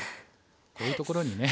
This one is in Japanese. こういうところにね。